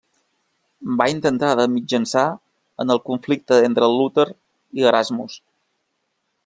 Va intentar de mitjançar en el conflicte entre Luter i Erasmus.